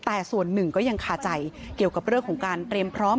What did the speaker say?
แต่ส่วนหนึ่งก็ยังคาใจเกี่ยวกับเรื่องของการเตรียมพร้อม